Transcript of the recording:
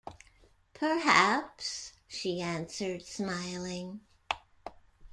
“Perhaps,” she answered, smiling.